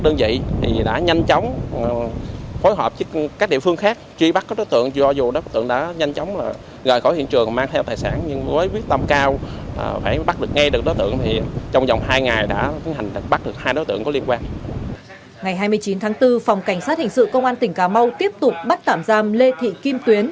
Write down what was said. ngày hai mươi chín tháng bốn phòng cảnh sát hình sự công an tỉnh cà mau tiếp tục bắt tạm giam lê thị kim tuyến